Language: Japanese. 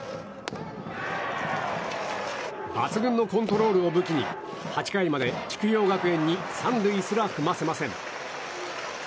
抜群のコントロールを武器に８回まで筑陽学園に３塁すら踏ませません。